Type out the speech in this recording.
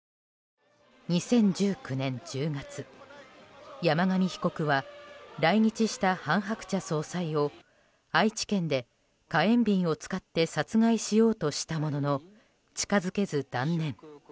２０１９年１０月山上被告は来日した韓鶴子総裁を愛知県で、火炎瓶を使って殺害しようとしたものの近づけず、断念。